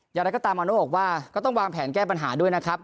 อย่างไรก็ตามมาโน่บอกว่าก็ต้องวางแผนแก้ปัญหาด้วยนะครับ